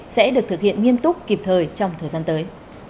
sẽ được thực hiện nghiêm túc kịp thời trong thời gian tới